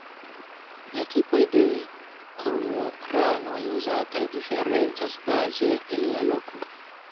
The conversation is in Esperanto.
La tipoj de kormoranoj uzataj diferencas baze el la loko.